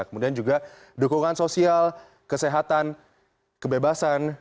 kemudian juga dukungan sosial kesehatan kebebasan